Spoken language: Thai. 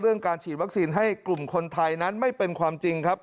การฉีดวัคซีนให้กลุ่มคนไทยนั้นไม่เป็นความจริงครับ